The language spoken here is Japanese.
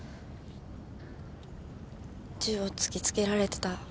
銃を突き付けられてた。